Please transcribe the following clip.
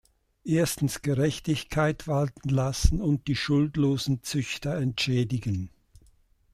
Erstens Gerechtigkeit walten lassen und die schuldlosen Züchter entschädigen.